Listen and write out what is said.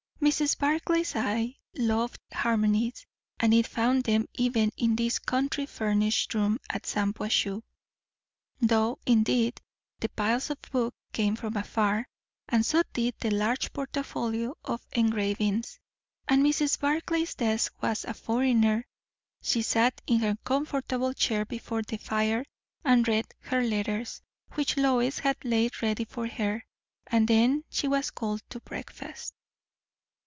Mrs. Barclay's eye loved harmonies, and it found them even in this country furnished room at Shampuashuh. Though, indeed, the piles of books came from afar, and so did the large portfolio of engravings, and Mrs. Barclay's desk was a foreigner. She sat in her comfortable chair before the fire and read her letters, which Lois had laid ready for her; and then she was called to breakfast.